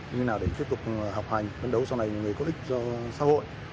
như nào để tiếp tục học hành phấn đấu sau này người có ích cho xã hội